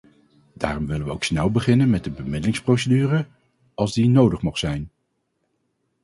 Daarom willen we ook snel beginnen met de bemiddelingsprocedure, als die nodig mocht zijn.